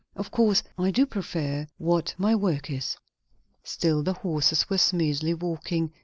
Of course I do prefer what my work is." Still the horses were smoothly walking.